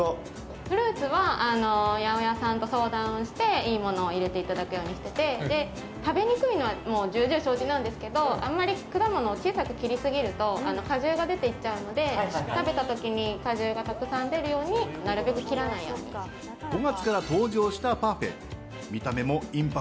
フルーツは八百屋さんと相談をしていいものを入れていただくようにしていて食べにくいのは重々、承知なんですけどあんまり果物を小さく切りすぎると果汁が出て行っちゃうので食べた時に果汁がたくさん出るように５月から登場したパフェ。